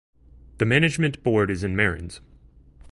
The management board is in Marennes.